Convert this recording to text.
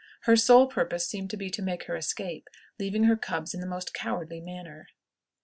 Her sole purpose seemed to be to make her escape, leaving her cubs in the most cowardly manner.